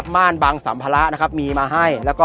ม่านบางสัมพละมีมาให้